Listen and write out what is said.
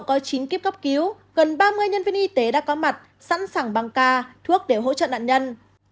kính kiếp cấp cứu gần ba mươi nhân viên y tế đã có mặt sẵn sàng băng ca thuốc để hỗ trợ nạn nhân